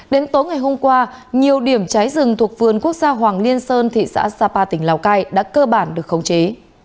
đến tối ngày hôm qua nhiều điểm cháy rừng thuộc vườn quốc gia hoàng liên sơn thị xã sapa tỉnh lào cai đã cơ bản được khống chế